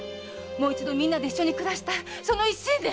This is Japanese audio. もう一度みんなで一緒に暮らしたいその一心で！